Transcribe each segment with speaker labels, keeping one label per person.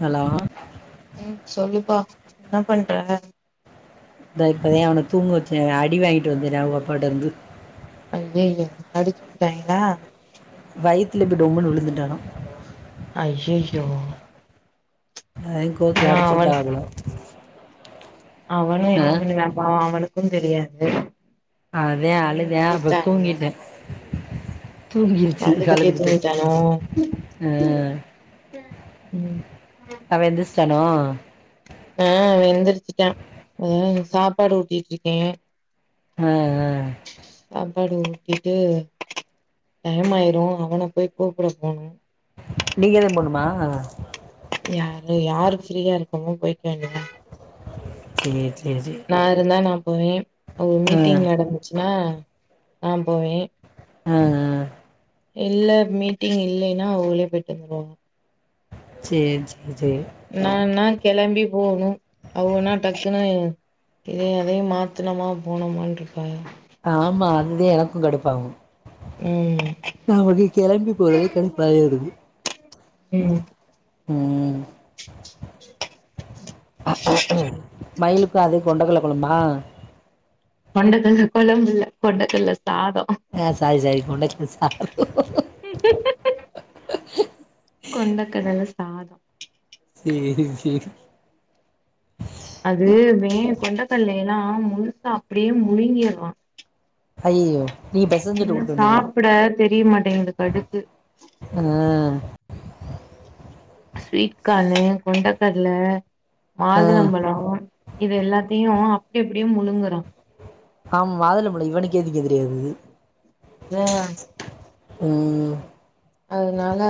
Speaker 1: hello
Speaker 2: ஏ சொல்லுப்பா என்ன பண்ற
Speaker 1: நா இப்பதா அவன தூங்க வச்சே அவ அடி வயிரு வந்து ஏதாவது அப்பாட்ட இருந்து
Speaker 2: ஐய்யய்ய அடிச்சு விட்டுடாங்களா
Speaker 1: பைக்ல இருந்து டொம்முனு உழுந்துத்தாறா
Speaker 2: ஐய்யய்யோ
Speaker 1: அத கோவத்துல அடிச்சு வுட்டாங்களா
Speaker 2: அவனு என்ன பண்ணுவே பாவோ அவனு க்கு தெரியாது
Speaker 1: அதே
Speaker 2: ம்
Speaker 1: அழுதா அப்ப
Speaker 2: வலித்தாங்கமா
Speaker 1: தூங்கிட்டே தூங்கிருச்சு
Speaker 2: அழுதுட்டே
Speaker 1: அழுதுகிட்டே
Speaker 2: தூங்கிட்டானோ
Speaker 1: அஹ்
Speaker 2: ம்
Speaker 1: அவ எந்திரிச்சிட்டானோ ஆஹ்
Speaker 2: ஆஹ் எந்திரிச்சிட்டா ஹ சாப்பாடு ஊட்டிட்டு இருக்கே
Speaker 1: ஆஹ் ஆஹ்
Speaker 2: சாப்பாடு ஊட்டிட்டு டைமாயிரு அவன போய் கூப்ட போனு
Speaker 1: நீங்கதே போணுமா
Speaker 2: யாரு யாரு ஃப்ரீயா இருக்கமோ போய்க்க வேண்டிதா
Speaker 1: சேர் சேர் சேர்
Speaker 2: போயூ ஒரு மீட்டிங் நடந்துச்ன்னா ஆஹ் போவே
Speaker 1: ஆஆஆ
Speaker 2: இல்ல மீட்டிங் இல்லைன்னா உள்ளே போயிட் வந்த்ருவோ
Speaker 1: சேரி சே
Speaker 2: நா நா கெளம்பி போணும் அவுகனா டக்குனுு இதை அதையு மாத்துனமா போனமனு இருப்பக
Speaker 1: ஆமா அதுதே எனக்கு கடுப்பாகு
Speaker 2: ம்
Speaker 1: நமக்கு கெளம்பி போறதே கடுப்பாவே இருக்கு உம்ம்
Speaker 2: ச்செர்
Speaker 1: மயிலுக்கும் அதே கொண்டக்க வசல்ல கொழம்பா
Speaker 2: கொண்டக்கல்ல கொழம்பு இல்ல கொண்டக்கல்ல சாதோ
Speaker 1: ஆஹ் சாரி சாரி கொண்ட [unintelligible]
Speaker 2: கொண்டக்கடல சாத்
Speaker 1: தேரி செரி
Speaker 2: அது மே கொண்டகல்லே ஏன்னா முழுசா அப்டியே முழுங்கீருவா
Speaker 1: அய்யயோ
Speaker 2: இன்னு சாப்புட தெரிய மாட்டேங்குது கடுத்து
Speaker 1: ஆ
Speaker 2: ஸ்வீட் கானு கொட்டகட்ல
Speaker 1: ஆ
Speaker 2: மாதுளம்பழோ இது எல்லாத்தியு எப்டியோ முழுங்கறா
Speaker 1: ஆம் மாதுளபழு இவனுக்கேதுக்கே தெரியாது
Speaker 2: வே
Speaker 1: உம்ம்
Speaker 2: அதனால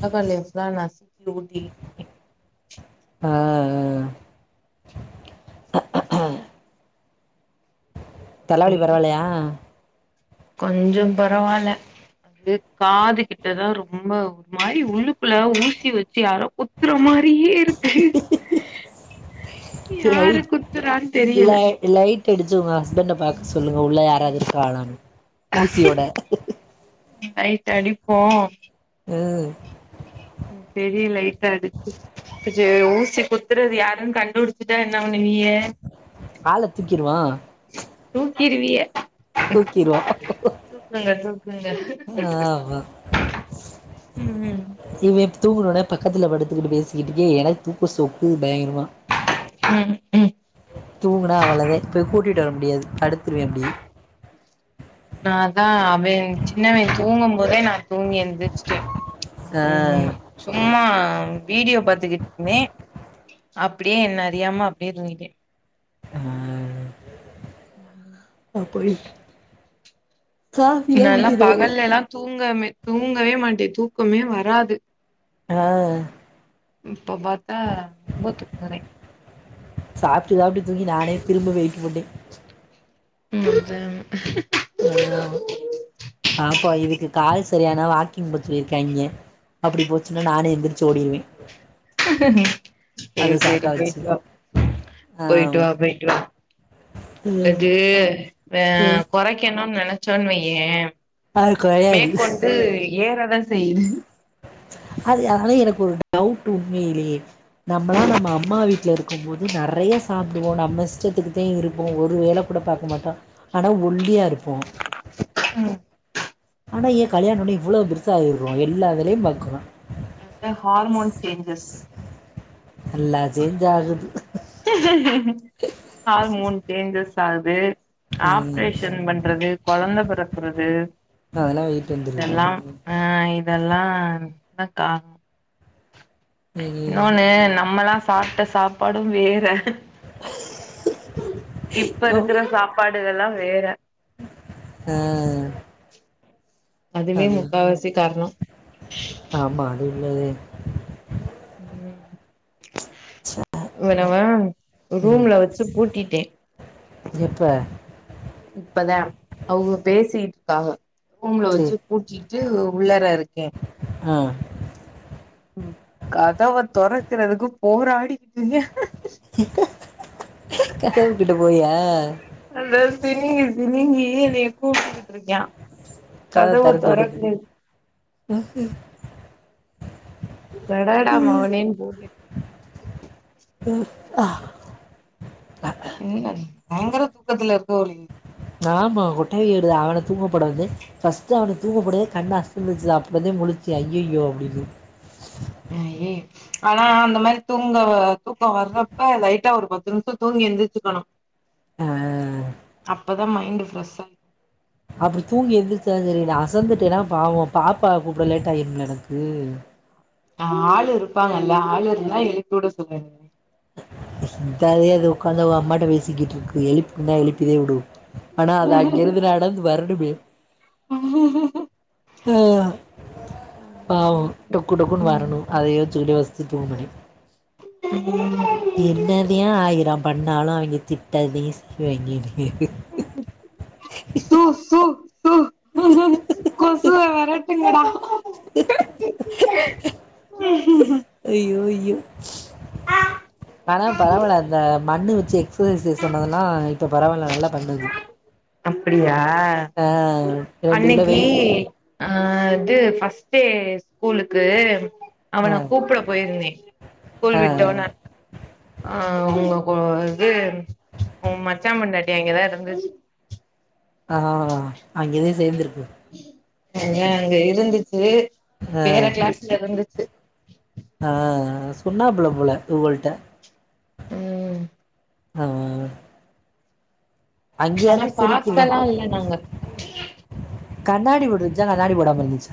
Speaker 2: தக்காளிய எல்லா நசிக்கி ஊட்டி இருக்
Speaker 1: ஆஹ் ஆஹ் தலவலி பரவால்லயா
Speaker 2: கொஞ்சம் பரவால்ல அது காது கிட்டதா ரொம்ப ஒரு மாதிரி உள்ளுக்குள்ள ஊசி வச்சு யாரோ குத்துற மாதிரியே இருக்கு
Speaker 1: லை
Speaker 2: யாரு குத்துறான்னு தெரியல
Speaker 1: லை லைட் அடிச்சு உங்க ஹஸ்பண்ட பாக்க சொல்லுங்க உள்ள யாராவது இருக்காளானு மோசியோட
Speaker 2: நைட் அடிப்போ
Speaker 1: உம்
Speaker 2: பெரிய லைட்டாடுச்சு சேர் ஊசி குத்துறது யாருன்னு கண்டுபிடிச்சுட்டா என்ன பண்ணுவிய
Speaker 1: ஆள தூக்கிருவா
Speaker 2: தூக்கிருவிய சூப்பருங்க சூப்ப
Speaker 1: ஆஹ் அவ
Speaker 2: ம்
Speaker 1: இவே தூங்குணோனே பக்கத்துல படுத்துக்கிட்டு பேசிக்கிட்டே எனக் தூக்க சொக்குது ஏங்கிருவா
Speaker 2: ம்ஹ்
Speaker 1: தூங்கனா அவ்ளதே போய் கூட்டிட்டு வர முடியாது அடுத்
Speaker 2: ந தா அவேன் சின்னவ தூங்க மு போதே நா தூங்கி எந்திரிச்டே
Speaker 1: ஆ
Speaker 2: கொஞ்சமா சும்மா வீடியோ பாத்துக்கிட்டு ருந்தே அப்டியே என்ன அறியாம அப்டியே தூங்கிட்டே
Speaker 1: ஆஹ் அ போயி
Speaker 2: நான்லா பகல்ல எல்லா தூங்கமே தூங்கவே மாட்டேன் து க்குமே வராது
Speaker 1: ஆஹ்
Speaker 2: இப்ப பாத்தா ரொம்ப தூங்கறே
Speaker 1: சாப்ட்டு சாப்ட்டு தூங்கி நானே திரும்ப வெயிட் போட்டே
Speaker 2: ம் அத
Speaker 1: ஆஹ் பாப்போ இதுக்கு கால் சரியானா வாக்கிங் போ சொல்லியிருக்காய்ங்க அப்டி போச்சுன்னா நானும் எந்திரிச்சு ஓடிடுருவே
Speaker 2: சேரி சேரி
Speaker 1: வச்சு
Speaker 2: போய்ட்டு வா போய்ட்டு
Speaker 1: ஆமா
Speaker 2: வா போயிட்டு வா
Speaker 1: ம்
Speaker 2: இது அஹ்
Speaker 1: ம்
Speaker 2: கொறைக்கணு நனச்சோன் வைய்யே
Speaker 1: அது கொறையாது
Speaker 2: மேக்கொண்டு ஏறதான் செய்ணு
Speaker 1: அது அதால எனக்கு ஒரு டவுட்டு உண்மயிலேயே நம்மலா நம்ம அம்மா வீட்லருக்கு போது நறையா சாப்டுவோ நம்ம இஷ்டத்துக்குதே இருப்போ ஒரு வேல கூட பாக்க மாட்டோ ஆனா ஒல்லியா இருப்போ ஆனா ஏ கல்யாணோணே இவ்ளோ பெருசா ஆயிட்றோ எல்லா வேலயு பாக்குறோ [unintelligible]
Speaker 2: அதா ஹார்மோன் சேஞ்சஸ்
Speaker 1: நல்லா சேஞ்சு ஆகுது
Speaker 2: ஆர்மோன் சேஞ்சஸ் அ து
Speaker 1: ம்
Speaker 2: ஆப்ரேஷன் பண்றது கொலந்த பெறக்குறது
Speaker 1: அதெல்லா வெயிட் வந்துருது
Speaker 2: இதெல்லா அஹ் இதெல்லா அக்கா
Speaker 1: ம்
Speaker 2: இன்னொனு நம்மலா சாப்ட சாப்பாடும் வேற இப்ப இருக்கற சாப்பாடு இதெல்லா வேற
Speaker 1: உம்
Speaker 2: அதுவே முக்கா வாசி கார்ணோ
Speaker 1: இது அதே
Speaker 2: ம் இவெனவ
Speaker 1: ம்
Speaker 2: ரூம்ல வெச்சு பூட்டிட்டெ
Speaker 1: எப்ப
Speaker 2: இப்பதா அவுங்க பேசிட் ஆ ரூம்ல வச்சு
Speaker 1: சேரி
Speaker 2: பூட்டிட்டு உள்ளரா இருக்கே
Speaker 1: ஆ
Speaker 2: ம் கதவ தொறக்கறதுக்கு போராடி
Speaker 1: கதவு கிட்ட போயா
Speaker 2: அந்த சினிங்கி சினிங்கி எனைய கூப்டுட்ர் இருக்யா கதவு தொறக்கூ
Speaker 1: ம்ஹும்
Speaker 2: கடடா மவனேன் பூட்டிட்
Speaker 1: ம் ஆ
Speaker 2: என்ன பயங்கர தூக்கத்துல இருப் போலீ
Speaker 1: ஆமா கொட்டாவி வருது அவனை தூங்கப் போடவந்து ஃபர்ஸ்ட் அவனைத் தூங்கப் போடவே கண்ணு அசந்துச்சு, அப்புறதா முழிச்சே அய்யய்யோ அப்படின்னு
Speaker 2: [unintelligible] ஆனா அந்த மாரி தூங்க தூக்கம் வர்ரப்ப லைட்டா ஒரு பத்து நிமிஷ தூங்கி எழுந்திரிச்சுக்கணு
Speaker 1: ஆஹ்
Speaker 2: அப் இப்பதான் மைண்ட் ஃப்ரெஷ்ஷா
Speaker 1: அப்டி தூங்கி எந்திரிச்சாலு சரி அசந்துட்டேன்னா பாவோ பாப்பாவ கூப்பிட லேட் ஆயிடும்ல எனக்கு
Speaker 2: ஆ ஆளு இருப்பாங்கல்ல ஆளு இருந்தா எழுப்பிவுட சொல்லி [unintelligible]
Speaker 1: இந்தாலே அது உட்காந்தா அம்மாட்ட பேசிக்கிட்டு இருக்கு எழுப்பு நா எழுப்பதே உடு ஆனா அது அங்கிருந்து நடந்து வரனுமே ஆ
Speaker 2: அது
Speaker 1: பாவு
Speaker 2: என்னமோ
Speaker 1: டொக்கு
Speaker 2: கரெக்ட்
Speaker 1: டொக்குன்னு
Speaker 2: ம்
Speaker 1: வரணு அதைய யோசிச்சுக்கிட்டு யோ சித்தோ மணி
Speaker 2: ம்ம்
Speaker 1: என்னதே ஆயிரோ பண்ணாலு அவிங்க திட்டதே செய்வாங்கன்னே
Speaker 2: சு சு சு கொசுவ வெறட் எங்கடா
Speaker 1: ஐயோ ஐயோ ஆனா பரவால அந்த மண்ணு எக்சசைஸ் சொன்னதெல்லா இப்ப பரவால்ல நல்லா பண்ணுது
Speaker 2: அப்டியா ஆ
Speaker 1: ரெண்டு கிலோ
Speaker 2: அன்னக்கி
Speaker 1: வெயிட்
Speaker 2: ஆ அது ஃபஸ்டே ஸ்கூலுக்கு
Speaker 1: ஆ
Speaker 2: அவன கூப்புட போயிருந்தே ஸ்கூல்
Speaker 1: ஆ
Speaker 2: விட்ட ஒன்னே ஆஹ் உங்க ஒ இது ஒ மச்சாபொண்டாட்டி அங்க தா இருந்துச்சி
Speaker 1: ஆஹ் அங்கேதா சேர்ந்துருக்
Speaker 2: அங்க இருந்து சி வேற கிளாஸ்ல இருந்துச்
Speaker 1: ஆஹ் சொன்ன புள்ள போல இவ்வகள்டே
Speaker 2: ம்
Speaker 1: ஆஹ்
Speaker 2: ஆனா பாக்கலா இல்ல நாங்க
Speaker 1: கண்ணாடி போட்ருந்துச்சா கண்ணாடி போடாம இருந்துச்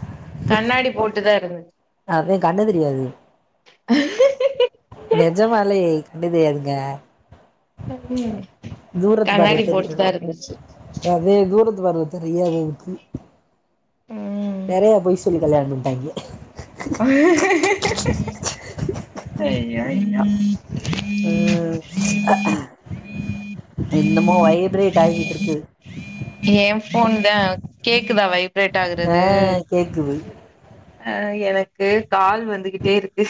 Speaker 2: கண்ணாடி போட்டுதா இருந்துச்
Speaker 1: அதே கண்ணு தெரியாது நெஜமாலே கண்ணு தெரியாதுங்க
Speaker 2: ம்
Speaker 1: தூரத்து பார்வே
Speaker 2: கண்ணாடி
Speaker 1: தெரியது
Speaker 2: போட்டுதா இருந்துச்சு
Speaker 1: அதே தூரத் தூர பார்வ தெரியாது அதுக்கு
Speaker 2: ஹும்
Speaker 1: நெறைய பொய் சொல்லி கல்யாண பண்ணிட்டாங்கே
Speaker 2: அய்யோ அய்யோ
Speaker 1: உம் என்னமோ வைப்ரேட் ஆகியிட்டு இருக்கு
Speaker 2: எ ஃபோன் தா கேக்குதா வைப்ரேட்
Speaker 1: ஆ
Speaker 2: ஆகுறது
Speaker 1: கேக்குது
Speaker 2: அஹ் எனக்கு கால் வந்துகிட்டே இருக்கு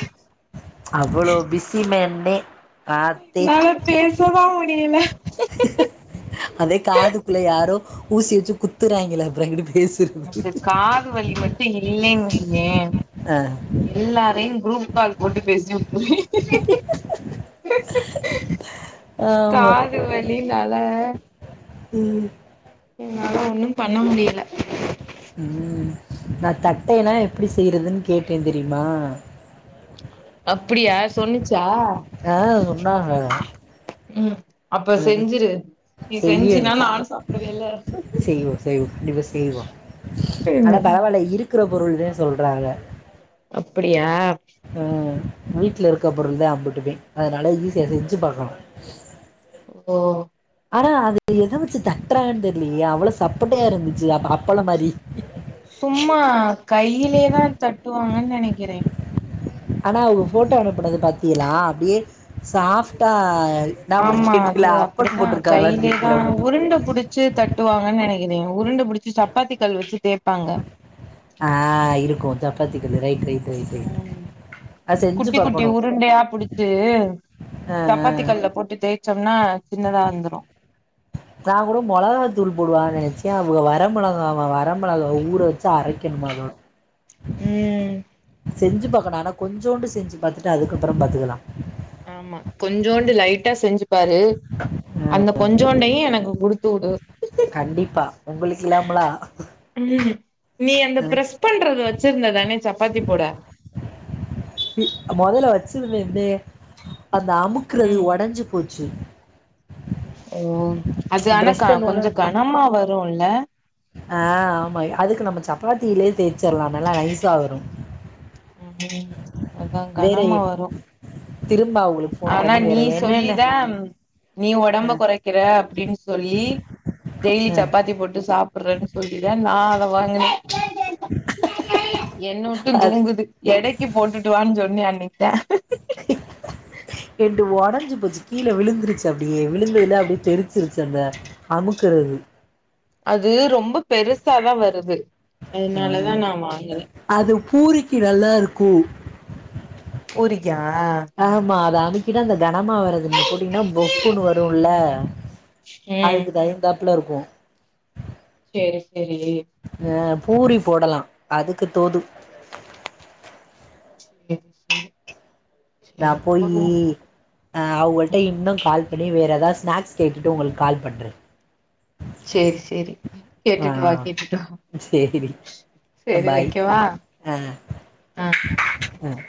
Speaker 1: அவ்ளோ பிசிமேன் தே
Speaker 2: என்னாலே பேசவு முடியல
Speaker 1: அதே காதுக்குள்ள யாரோ ஊசி வச்சு குத்துறாங்கிலே அப்பறோ எங்குட்டு போய்
Speaker 2: எனக்கு காது வலி மட்டு இல்லைன் வே
Speaker 1: ஆ
Speaker 2: எல்லாரையு குரூப் கால்ப் போட்டு பேசி ருவே [inaudible]
Speaker 1: ஆமா
Speaker 2: காது வலினால
Speaker 1: உம்
Speaker 2: என்னால ஒன்னு பண்ண முடியல
Speaker 1: உம் நா தட்டைனா எப்படி செய்யறதுன்னு கேட்டே தெரியுமா
Speaker 2: அப்படியா சொன்னிச்சா
Speaker 1: ஆஹ் சொன்னாங்க
Speaker 2: உம் அப்ப செஞ்சிரு நீ
Speaker 1: செய்யணு
Speaker 2: செஞ்சீனா நானு சாப்பிடுவே இல்ல
Speaker 1: செய்வோ செய்வோ கண்டிப்பா
Speaker 2: ம்
Speaker 1: கிற பொருள்தே சொல்றாக
Speaker 2: அப்படியா
Speaker 1: உம் வீட்டுல இருக்க பொருள்தா அம்புட்டுமே அதனால ஈஸியா செஞ்சு பாக்கலா
Speaker 2: ஓ
Speaker 1: ஆனா அது எத வச்சு தட்டுறாங்கன் தெரிலிலே அவ்ளோ சப்புன்ட்டே இருந்துச்சு அப்ப அப்பள மாரி
Speaker 2: சும்மா கையிலேதா தட்டு வாங்கன் நெனைக்கிறே
Speaker 1: ஆனா அவங்க போட்டோ அனுப்புனது பாத்தீகலா அப்படியே சாஃப்டா நா கூட
Speaker 2: ஆமா
Speaker 1: கேட்டேல
Speaker 2: அது
Speaker 1: அப்பளம்
Speaker 2: அப்படித்தா
Speaker 1: போட்டிருக்காங்களான்னு
Speaker 2: கையிலயே தா
Speaker 1: கேட்டேல உன்ட்ட
Speaker 2: உருண்ட புடிச்சு தட்டுவாங்கன் நெனைக் கிறே உருண்ட பிடிச்சு சப்பாத்தி கல் வச்சு தேப்
Speaker 1: ஆஹ் இருக்கு சப்பாத்தி கல்லு
Speaker 2: ம்
Speaker 1: செஞ்சு
Speaker 2: குட்டி குட்டி
Speaker 1: பாக்கணு
Speaker 2: உருண்டையா புடிச்சு
Speaker 1: ஆ ஆ
Speaker 2: சப்பாத்தி கல்லல போட்டு தே ச்சம்னா சின்னதா வந்துரு
Speaker 1: நா கூட மொளகத்தூள் போடுவா நெனைச்சே அவுக வர மொளகவ வர மொளகவ ஊற வச்சு அரைக்கணுமாமா
Speaker 2: உம்
Speaker 1: செஞ்சு பாக்கணு ஆனா கொஞ்சோண்டு செஞ்சு பாத்துட்டு அதுக்கப்புறம் பாத்துக்கலா
Speaker 2: ஆமா கொஞ்சோண்டு லைட்டா செஞ்சுப்பாரு அந்த கொஞ்சோண்டையு எனக்கு குடுத்து வுடு
Speaker 1: கண்டிப்பா உங்களுக்கு இல்லாமலா
Speaker 2: ம் நீ அந்த
Speaker 1: ம்
Speaker 2: ப்ரஸ் பண்றது வச்சிருந்ததானே சப் பாத்தி போட
Speaker 1: மொதல வச்சுருந்தேந்தே அந்த அமுக்கறது
Speaker 2: ம்
Speaker 1: ஒடஞ்சு போ ச்சு
Speaker 2: ஓ அது ஆனா கா
Speaker 1: பண்ணுவோல
Speaker 2: கொஞ்சம் கனமா வரும் இல்ல
Speaker 1: ஆ ஆமா அதுக்கு நம்ம சப்பாத்தியிலே தேய்ச்சர்லா நல்லா நைஸா வரும்
Speaker 2: ம் அதா
Speaker 1: வேற
Speaker 2: கனமா வரும்
Speaker 1: திரும்ப அவுங்களுக்கு ஃபோன்
Speaker 2: ஆனா
Speaker 1: பண்ணி வேற
Speaker 2: நீ
Speaker 1: என்னென்ன
Speaker 2: சொல்லிதா நீ ஒடம்ப
Speaker 1: ஆ
Speaker 2: கொறைக்கிற அப்டின்னு சொல்லி டெய்லி
Speaker 1: ஆ
Speaker 2: சப்பாத்தி போட்டு சா ப்பறேன்னு சொல்லிதா நா அத வாங்குனே என்ன விட்டு
Speaker 1: அது
Speaker 2: தூங்குது எடை தி போட்டுட்டுவான் சொன்னே அன்னைக்கி தா
Speaker 1: என்டு ஒடஞ்சு போச்சு கீழ விழுந்துருச்சு அப்டியே விழுந்ததுல அப்டியே தெரிச்சிருச்சு அந்த அமுக்கறது
Speaker 2: அது ரொம்ப பெருசாதா வருது அதனாலதா நா வாங்கினே
Speaker 1: பூரிக்கி நல்லா இருக்கும்
Speaker 2: பூரிக்கா
Speaker 1: ஆமா அதா அதுக்கு தா அந்த கனமா வருது நீங்க போட்டீங்கன்னா புஃப்புன்னு வருல்ல
Speaker 2: ம் ம்
Speaker 1: அதுக்கு தய த நல்லாருக்கு
Speaker 2: செரி சே ரி
Speaker 1: பூரி போடலா அதுக்கு தோது
Speaker 2: சேர் சேரி
Speaker 1: நா
Speaker 2: சேரி
Speaker 1: போயி
Speaker 2: போடுவோ
Speaker 1: ஆ அவங்கள்ட்ட இன்னு கால் பண்ணி வேறு ஏதாது ஸ்நாக்ஸ் கேட்டுட்டு உங்களுக்கு கால் பண்றே
Speaker 2: சேரி சேரி கேட்டுட்டு வா
Speaker 1: ஆ
Speaker 2: கேட்டுட்டு வா
Speaker 1: சேரி
Speaker 2: சேரி
Speaker 1: பாய்
Speaker 2: வைக்கவா
Speaker 1: ஆ
Speaker 2: ஆ
Speaker 1: ம்